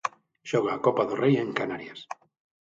Xoga a Copa do Rei en Canarias.